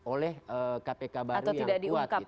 oleh kpk baru yang kuat